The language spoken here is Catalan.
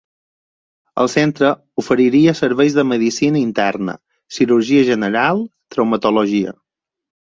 El centre oferiria serveis de medicina interna, cirurgia general, traumatologia.